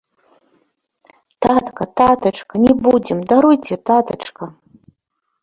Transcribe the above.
Татка, татачка, не будзем, даруйце, татачка.